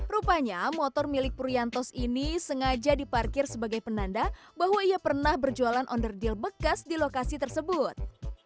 rupanya motor milik puriantos ini sengaja diparkir sebagai penanda bahwa ia pernah berjualan onder deal bekas di lokasi tersebut